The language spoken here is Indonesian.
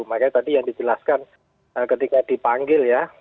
makanya tadi yang dijelaskan ketika dipanggil ya